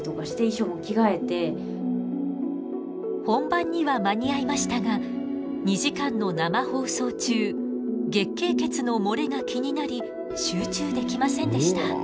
本番には間に合いましたが２時間の生放送中月経血の漏れが気になり集中できませんでした。